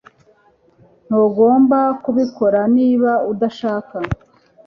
Ntugomba kubikora niba udashaka.